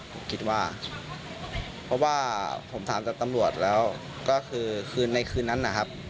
ผมคิดว่าผมถามจากดีตรร์ปรมลวจแล้วก็คือขึ้นในคืนนั้นน่ะครับ